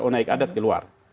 onaik adat keluar